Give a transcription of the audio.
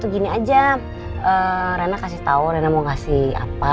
gini aja rena kasih tahu rena mau kasih apa